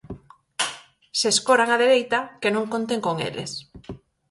Se escoran á dereita, que non conten con eles.